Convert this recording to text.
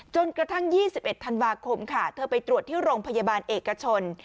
จนกระทั่ง๒๑ธันวาคมค่ะเธอไปตรวจที่โรงพยาบาลเอกชน